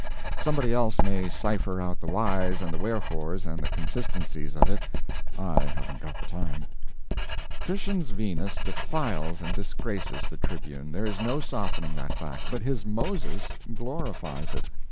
Somebody else may cipher out the whys and the wherefores and the consistencies of it I haven't got time. Titian's Venus defiles and disgraces the Tribune, there is no softening that fact, but his "Moses" glorifies it.